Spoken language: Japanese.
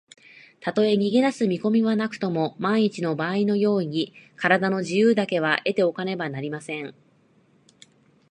たとえ逃げだす見こみはなくとも、まんいちのばあいの用意に、からだの自由だけは得ておかねばなりません。